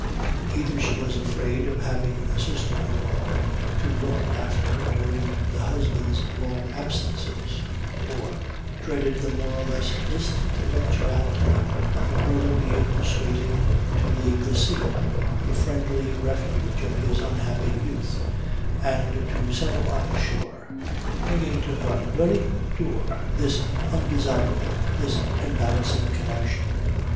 Either she was afraid of having a sister in law to look after during the husband's long absences; or dreaded the more or less distant eventuality of her brother being persuaded to leave the sea, the friendly refuge of his unhappy youth, and to settle on shore, bringing to her very door this undesirable, this embarrassing connection.